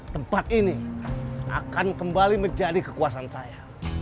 tempat ini akan kembali menjadi kekuasaan saya